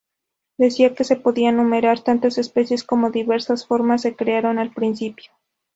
Decía que se podían numerar tantas especies como diversas formas se crearon al principio.